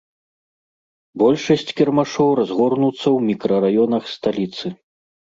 Большасць кірмашоў разгорнуцца ў мікрараёнах сталіцы.